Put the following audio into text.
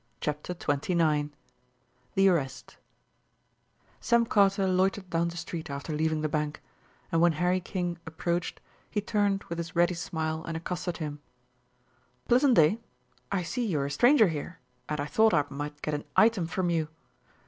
CHAPTER XXIX THE ARREST Sam Carter loitered down the street after leaving the bank, and when Harry King approached, he turned with his ready smile and accosted him. "Pleasant day. I see you're a stranger here, and I thought I might get an item from you.